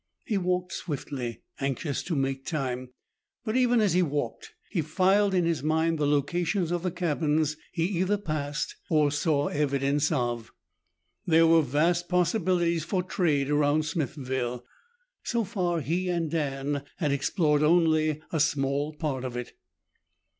He walked swiftly, anxious to make time, but even as he walked he filed in his mind the locations of the cabins he either passed or saw evidence of. There were vast possibilities for trade around Smithville. So far he and Dan had explored only a small part of it.